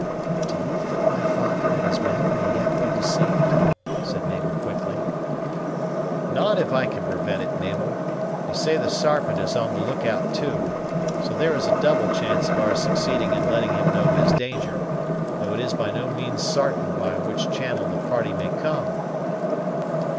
"Do you think my father and his men may yet be deceived?" said Mabel quickly. "Not if I can prevent it, Mabel. You say the Sarpent is on the look out too; so there is a double chance of our succeeding in letting him know his danger; though it is by no means sartain by which channel the party may come."